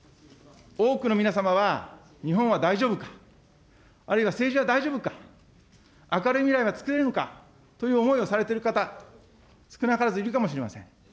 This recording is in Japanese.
多くの皆様は、日本は大丈夫か、あるいは政治は大丈夫か、明るい未来はつくれるのかという思いをされている方、少なからずいるかもしれません。